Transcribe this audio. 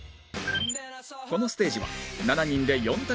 このステージは７人で４択